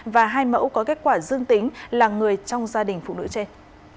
và hai mẫu có kết quả dương tính là người trong gia đình phụ nữ trên